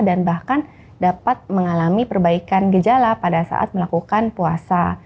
dan bahkan dapat mengalami perbaikan gejala pada saat melakukan puasa